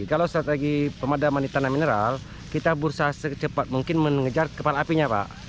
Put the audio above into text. kalau strategi pemadaman di tanah mineral kita berusaha secepat mungkin mengejar kepala apinya pak